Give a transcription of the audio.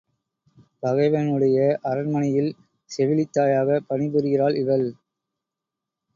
பகைவனுடைய அரண்மனையில் செவிலித் தாயாகப் பணிபுரிகிறாள் இவள்.